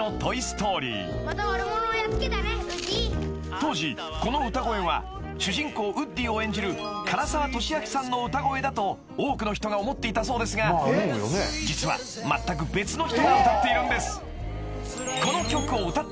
［当時この歌声は主人公ウッディを演じる唐沢寿明さんの歌声だと多くの人が思っていたそうですが実はまったく別の人が歌っているんです］